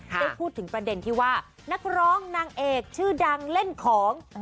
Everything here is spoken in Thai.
ได้พูดถึงประเด็นที่ว่านักร้องนางเอกชื่อดังเล่นของ